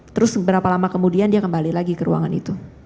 terus berapa lama kemudian dia kembali lagi ke ruangan itu